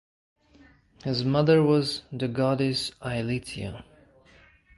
His mother was the goddess Eileithyia.